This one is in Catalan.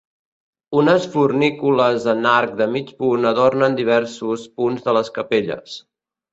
Unes fornícules en arc de mig punt adornen diversos punts de les capelles.